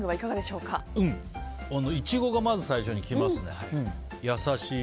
うん、イチゴがまず最初に来ますね。